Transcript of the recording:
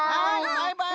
バイバイ。